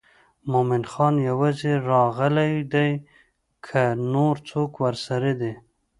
مومن خان یوازې راغلی دی که نور څوک ورسره دي.